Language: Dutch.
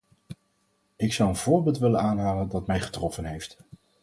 Ik zou een voorbeeld willen aanhalen dat mij getroffen heeft.